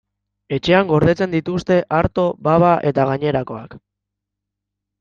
Etxean gordetzen dituzte arto, baba eta gainerakoak.